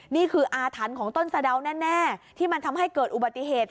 นี่คืออาถรรพ์ของต้นสะดาวแน่ที่มันทำให้เกิดอุบัติเหตุ